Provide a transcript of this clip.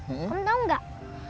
om tau nggak